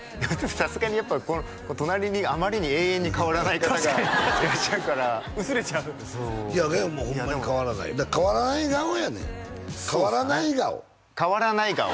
さすがにやっぱ隣にあまりに永遠に変わらない方がいらっしゃるから薄れちゃうそう源もホンマに変わらない変わらない顔やねん変わらない顔変わらない顔